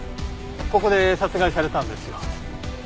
ここで殺害されたんですよ。